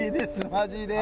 マジで。